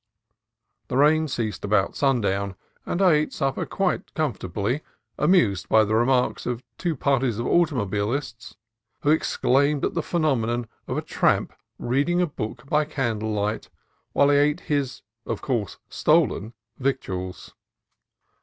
The rain ceased about sundown, and I ate supper quite comfortably, amused by the remarks of two parties of automobil ists who exclaimed at the phenomenon of a tramp reading a book by candlelight while he ate his (of course) stolen victuals.